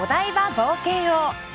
冒険王。